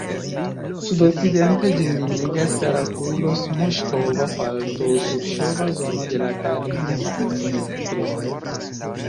Sud-okcidente ĝin limigas Karakulo-Smuŝkova falto-surŝova zono de la Karpinskij-kresto.